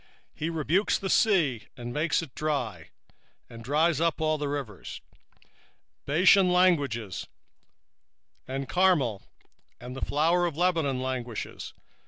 1:4 He rebuketh the sea, and maketh it dry, and drieth up all the rivers: Bashan languisheth, and Carmel, and the flower of Lebanon languisheth.